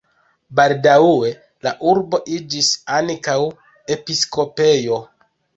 Baldaŭe la urbo iĝis ankaŭ episkopejo.